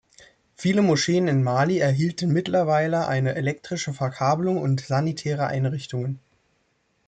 Viele Moscheen in Mali erhielten mittlerweile eine elektrische Verkabelung und sanitäre Einrichtungen.